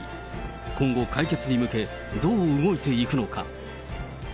今後、解決に向け、どう動いていくのか。